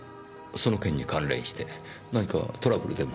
その件に関連して何かトラブルでも？